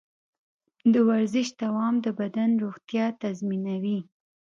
د ورزش دوام د بدن روغتیا تضمینوي.